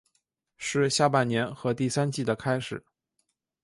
是下半年和第三季的开始。